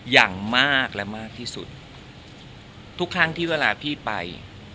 อย่างมากและมากที่สุดทุกครั้งที่เวลาพี่ไป